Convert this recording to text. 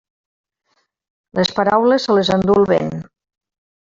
Les paraules, se les endú el vent.